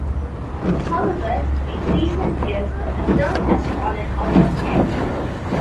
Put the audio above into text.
However, in recent years the term has fallen out of favor.